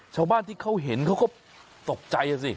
ชาวบ้านที่เขาเห็นเขาก็ตกใจสิ